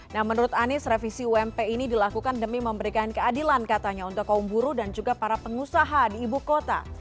nah menurut anies revisi ump ini dilakukan demi memberikan keadilan katanya untuk kaum buruh dan juga para pengusaha di ibu kota